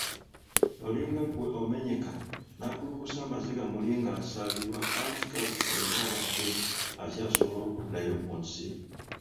Olinga ggwe omenyeka, n’akulukusa amaziga muli ng'asaalirwa nti kale singa abadde akyasobola okuddayo ku nsi.